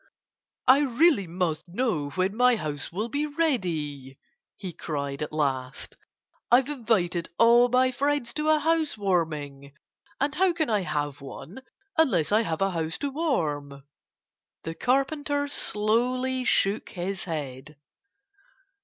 "I really must know when my house will be ready!" he cried at last. "I've invited all my friends to a house warming. And how can I have one unless I have a house to warm?" The Carpenter slowly shook his head.